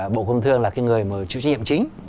bộ công thương là người chịu trí hiệp chính